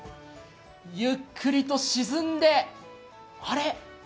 ゆっくりと沈んで、あれ？